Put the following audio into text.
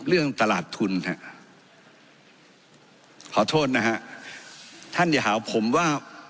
เรื่องตลาดทุนฮะขอโทษนะฮะท่านอย่าหาผมว่า